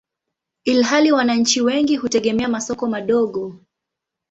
ilhali wananchi wengi hutegemea masoko madogo.